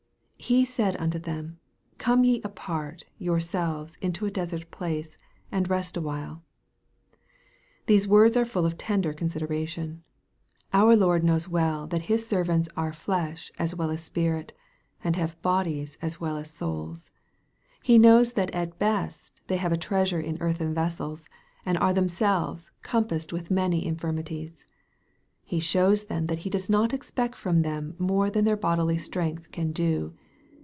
" He said unto them, come ye apart your selves into a desert place, and rest a while." These words are full of tender consideration. Our 124 EXPOSITOR? THOUGHTS. Lord knows well that His servants are flesh as well as spirit, and have bodies as well as souls. He knows that at best they have a treasure in earthen vessels, and are themselves compassed with many infirmities. He shows them that He does not expect from them more than their bodily strength can do.